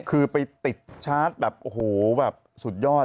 คือไปติดชาร์จแบบโอ้โหแบบสุดยอด